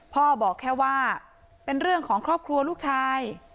บอกแค่ว่าเป็นเรื่องของครอบครัวลูกชาย